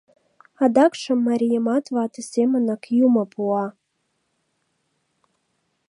Адакшым марийымат вате семынак Юмо пуа.